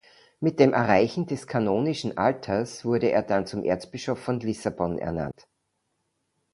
Mit dem Erreichen des kanonischen Alters wurde er dann zum Erzbischof von Lissabon ernannt.